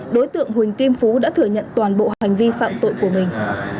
đối tượng huỳnh kim phú đã thừa nhận toàn bộ hành vi phạm tội của mình